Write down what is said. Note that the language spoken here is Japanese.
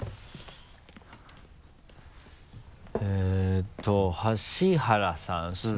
えっと橋原さんですね。